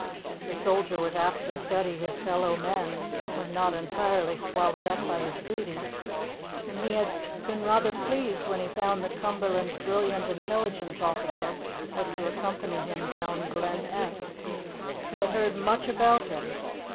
The soldier was apt to study his fellow men, when not entirely swallowed up by his duty, and he had been rather pleased when he found that Cumberland's brilliant intelligence officer was to accompany him down Glen Esk. He had heard much about him.